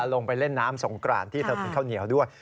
ลงไปเล่นน้ำสงกรานที่เธอกินข้าวเหนียวด้วย